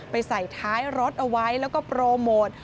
ใส่ท้ายรถเอาไว้แล้วก็โปรโมท